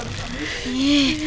eka banget ya ibunya